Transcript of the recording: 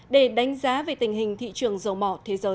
để đánh giá về tình hình thị trường dầu mỏ